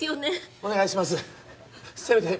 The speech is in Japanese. お願いします